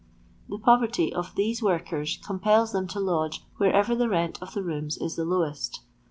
The poverty of these workers compels them to lodge wherever the rent of the rooms is the lowest.